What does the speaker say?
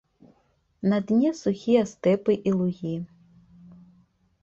На дне сухія стэпы і лугі.